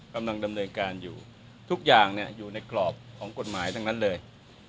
กำลังดำเนินการอยู่ทุกอย่างอยู่ในกรอบของกฎหมายทั้งนั้นเลย